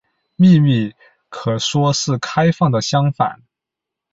秘密可说是开放的相反。